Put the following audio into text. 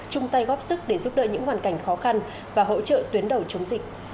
chung tay góp sức để giúp đỡ những hoàn cảnh khó khăn và hỗ trợ tuyến đầu chống dịch